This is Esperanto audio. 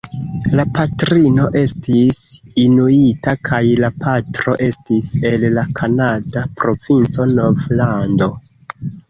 La patrino estis inuita kaj la patro estis el la kanada provinco Novlando.